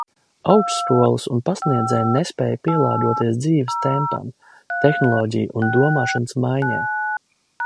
Augstskolas un pasniedzēji nespēj pielāgoties dzīves tempam, tehnoloģiju un domāšanas maiņai.